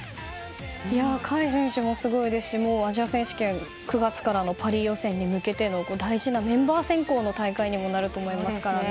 甲斐選手もすごいですしアジア選手権９月からのパリ予選に向けての大事なメンバー選考の大会にもなると思いますからね。